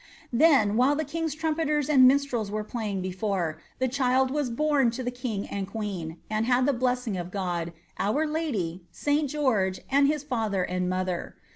Then, while the king's trumpeters and minstrels veat playing before, the child was borne to the king and queen, and had the blessing of God, our lady, St. George, and his father and mother.